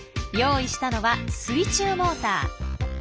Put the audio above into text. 用意したのは水中モーター。